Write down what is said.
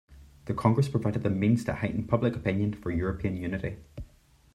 The Congress provided the means to heighten public opinion for European unity.